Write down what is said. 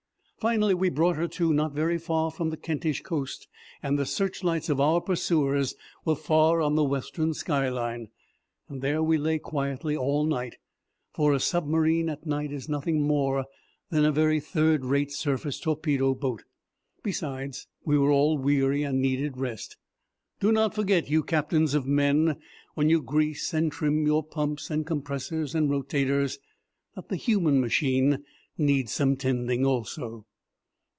Finally we brought her to, not very far from the Kentish coast, and the search lights of our pursuers were far on the western skyline. There we lay quietly all night, for a submarine at night is nothing more than a very third rate surface torpedo boat. Besides, we were all weary and needed rest. Do not forget, you captains of men, when you grease and trim your pumps and compressors and rotators, that the human machine needs some tending also.